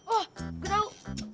oh gue tau